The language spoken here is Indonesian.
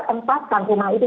tempatkan rumah itu